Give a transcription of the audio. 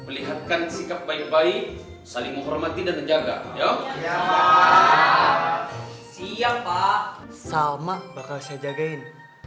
melihatkan sikap bayi bayi saling menghormati dan menjaga ya siapa sama bakal saya jagain dua puluh empat